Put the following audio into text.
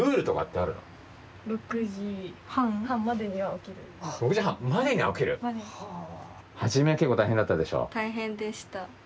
大変でした。